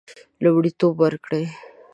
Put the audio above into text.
لومړیتوب ورکړي.